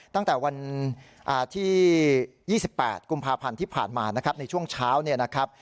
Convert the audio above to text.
ตั้งแต่วันที่๒๘กุมภาพันธ์ที่ผ่านมานะครับในช่วงเช้าเนี่ยนะครับ